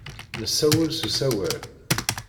Nessawel s usawal.